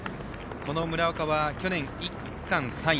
村岡は去年１区、区間３位。